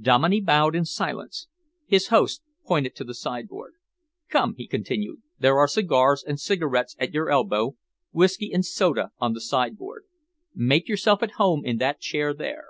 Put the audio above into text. Dominey bowed in silence. His host pointed to the sideboard. "Come," he continued, "there are cigars and cigarettes at your elbow, whisky and soda on the sideboard. Make yourself at home in that chair there.